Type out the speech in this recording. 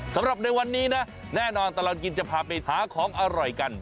สำหรับในวันนี้นะแน่นอนตลอดกินจะพาไปหาของอร่อยกัน